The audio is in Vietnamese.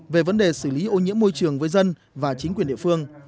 về vấn đề xử lý ô nhiễm môi trường với dân và chính quyền địa phương